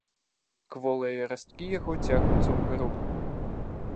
Кволыя расткі яго цягнуцца ўгару.